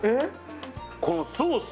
このソース